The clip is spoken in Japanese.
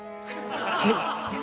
はい！